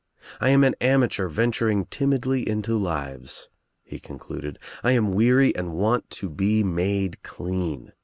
I am an amateur venturing timidly into lives," he concluded. "I am weary and want to be made clean.